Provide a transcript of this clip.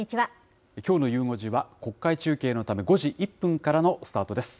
きょうのゆう５時は、国会中継のため、５時１分からのスタートです。